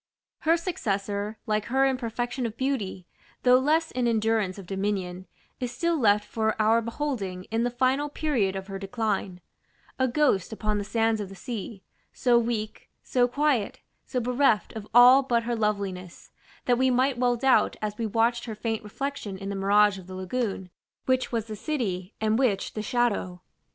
Her successor, like her in perfection of beauty, though less in endurance of dominion, is still left for our beholding in the final period of her decline: a ghost upon the sands of the sea, so weak so quiet, so bereft of all but her loveliness, that we might well doubt, as we watched her faint reflection in the mirage of the lagoon, which was the City, and which the Shadow.